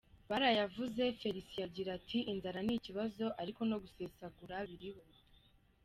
Barayavuze Felicien agira ati “ Inzara ni ikibazo ariko no gusesagura biriho.